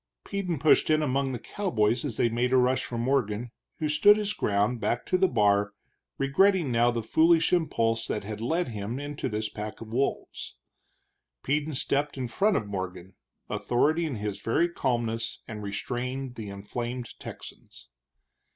Peden pushed in among the cowboys as they made a rush for Morgan, who stood his ground, back to the bar, regretting now the foolish impulse that had led him into this pack of wolves. Peden stepped in front of Morgan, authority in his very calmness, and restrained the inflamed Texans.